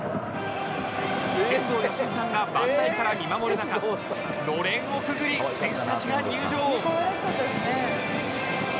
天童よしみさんが番台から見守る中のれんをくぐり選手たちが入場